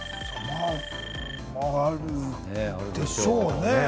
あるでしょうね。